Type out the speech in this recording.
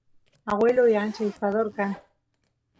agueloy ancha ishpador kan